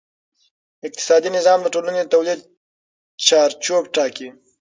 اقتصادي نظام د ټولنې د تولید چارچوب ټاکي.